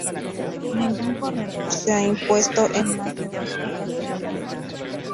Ningún corredor se ha impuesto en más de dos ocasiones.